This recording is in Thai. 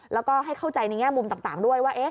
แล้วก็ให้เข้าใจในแง่มุมต่างด้วยว่า